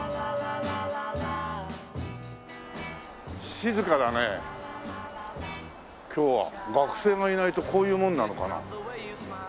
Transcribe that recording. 静かだね今日は。学生がいないとこういうものなのかな。